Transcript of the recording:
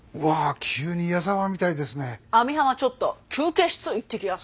ちょっと休憩室行ってきやす！